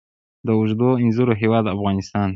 د اوږدو انځرو هیواد افغانستان.